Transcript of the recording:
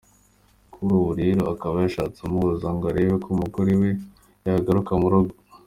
Kuri ubu rero akaba yashatse umuhuza, ngo arebe ko umugore we yagaruka mu rugo.